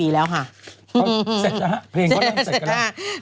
เสร็จแล้วเพลงก็เรื่องเสร็จแล้ว